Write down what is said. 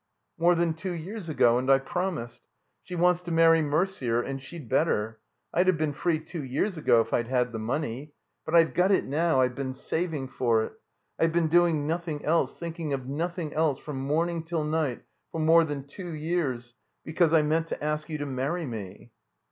"More than two years ago, and I promised. She wants to marry Merder, and she'd better. I'd have been free two years ago if I'd had the money. But I've got it now. I've been saving for it. I've been doing nothing else, thinking of nothing else from morning till night for more than two years, because I meant to ask you to marry me."